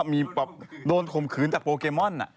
มีแบบโดนข่มขืนจากโปเกมอน